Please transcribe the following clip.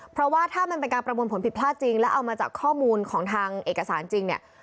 เพราะว่าถ้ามันเป็นการประมวลผลผิดพลาดจริงแล้วเอามาจากข้อมูลของทางเอกสารจริงเนี่ย